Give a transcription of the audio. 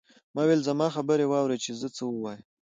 ما وویل زما خبره واورئ چې زه څه وایم.